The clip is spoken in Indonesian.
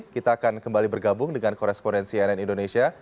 kita akan kembali bergabung dengan korespondensi ann indonesia